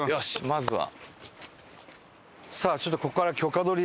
まずは。